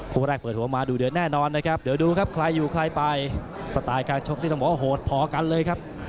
คู่แรกเปิดหัวมาดูเดือดแน่นอนนะครับเดี๋ยวดูครับใครอยู่ใครไปสไตล์การชกนี่ต้องบอกว่าโหดพอกันเลยครับ